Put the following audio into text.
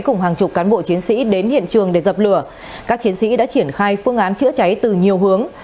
cùng hàng chục cán bộ chiến sĩ đến hiện trường để dập lửa các chiến sĩ đã triển khai phương án chữa cháy từ nhiều hướng